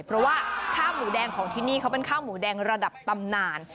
เพราะว่าข้าวหมูแดงของที่นี่เขาเป็นข้าวหมูแดงระดับตำนาน